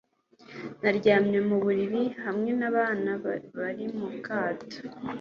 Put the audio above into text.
naryamye mu buriri hamwe n'abana bari mu kato